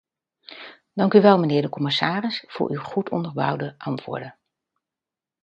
Dank u wel, mijnheer de commissaris, voor uw goed onderbouwde antwoorden.